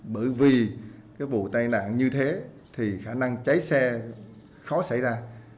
bởi vì cái vụ tai nạn như thế thì khả năng cháy xe khó xảy ra